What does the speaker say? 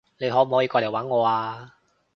你可唔可以過嚟搵我啊？